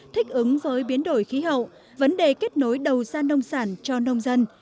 thích ứng với biến đổi khí hậu vấn đề kết nối đầu gian nông sản cho nông dân